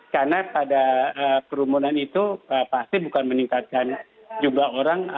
karena pada kerumunan itu pasti bukan meningkatkan jumlah orang